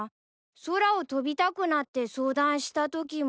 空を飛びたくなって相談したときも。